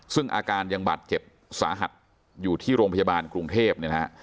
ซึ่งอาการยังบาดเจ็บสาหัสอยู่ที่โรงพยาบาลกรุงเทพเนี่ยนะฮะ